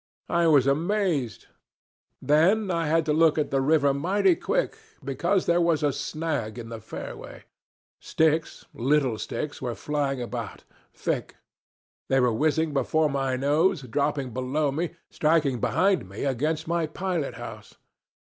I was amazed. Then I had to look at the river mighty quick, because there was a snag in the fairway. Sticks, little sticks, were flying about thick: they were whizzing before my nose, dropping below me, striking behind me against my pilot house.